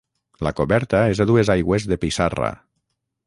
La coberta és a dues aigües de pissarra.